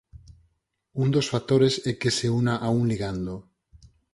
Un dos factores é que se una a un ligando.